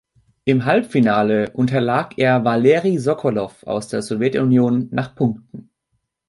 Im Halbfinale unterlag er Waleri Sokolow aus der Sowjetunion nach Punkten.